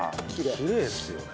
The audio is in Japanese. きれいですよね。